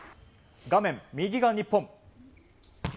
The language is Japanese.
画面右が日本。